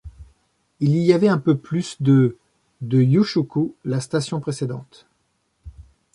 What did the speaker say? Il y avait un peu plus de de Yui-shuku, la station précédente.